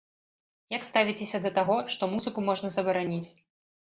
Як ставіцеся да таго, што музыку можна забараніць?